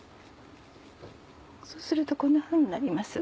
そうするとこんなふうになります。